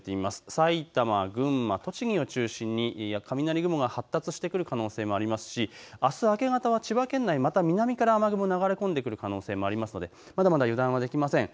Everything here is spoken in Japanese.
埼玉、群馬、栃木を中心に雷雲が発達してくる可能性もありますし、あす明け方は千葉県内、また南から雨雲が流れ込んでくる可能性もありますのでまだ油断はできません。